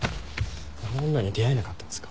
あの女に出会えなかったんですか？